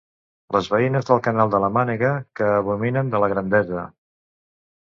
Les veïnes del Canal de la Mànega que abominen de la grandesa.